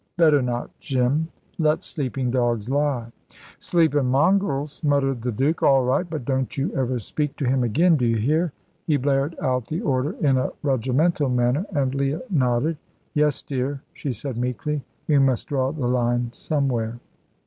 "Better not, Jim. Let sleeping dogs lie." "Sleepin' mongrels," muttered the Duke. "All right; but don't you ever speak to him again. Do you hear?" He blared out the order in a regimental manner, and Leah nodded. "Yes, dear," she said meekly, "we must draw the line somewhere."